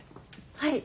はい。